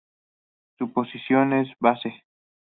Su posición es base.